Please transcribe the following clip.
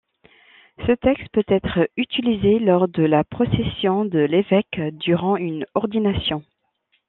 Ce texte peut être utilisé lors de la procession de l'Évêque durant une ordination.